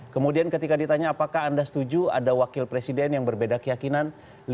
kemudian ketika ditanya apakah anda setuju ada wakil presiden yang berbeda keyakinan